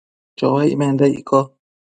chouaic menda icco ?